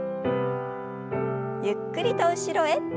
ゆっくりと後ろへ。